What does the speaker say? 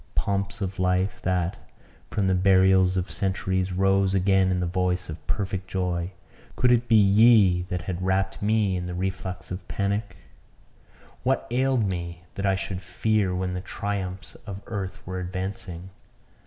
Pomps of life, that, from the burials of centuries, rose again to the voice of perfect joy, could it be ye that had wrapped me in the reflux of panic?" What ailed me, that I should fear when the triumphs of earth were advancing?